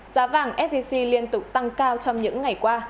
giá vàng sgc liên tục tăng cao trong những ngày qua